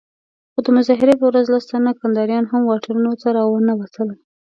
خو د مظاهرې په ورځ لس تنه کنداريان هم واټونو ته راونه وتل.